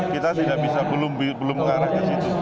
kita tidak bisa belum mengarah ke situ